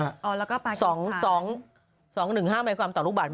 อ๋อแล้วก็ปาร์กิสคาสองสองสองหนึ่งห้าไม่ความต่อลูกบาท